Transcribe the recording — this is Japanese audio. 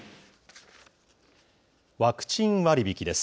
ワクチン割引です。